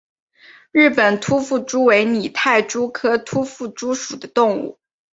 日本突腹蛛为拟态蛛科突腹蛛属的动物。